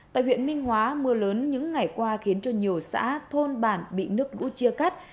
tại huyện minh hóa mưa lớn những ngày qua khiến cho nhiều xã thôn bản bị nước lũ chia cắt